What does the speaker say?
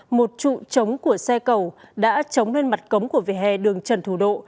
một trụ trống của xe cầu đã trống lên mặt cống của vỉa hè đường trần thủ độ